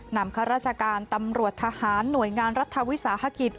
ข้าราชการตำรวจทหารหน่วยงานรัฐวิสาหกิจ